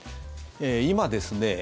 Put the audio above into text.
今ですね